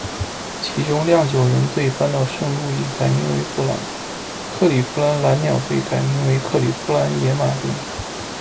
其中酿酒人队搬到圣路易，改名为布朗，克里夫兰蓝鸟队改名克里夫兰野马队。